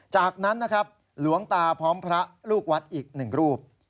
จากนั้นนะครับหลวงตาพร้อมพระลูกวัดอีกหนึ่งรูป